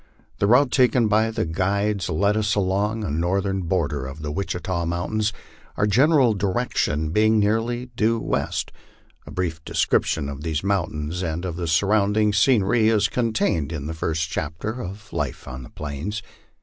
The route taken by the guides led us along the northern border of the Witchita Mountains, our general direction being nearly due west. A brief description of these mountains and of the surrounding scenery is con tained in the first chapter of " Life on the Plains."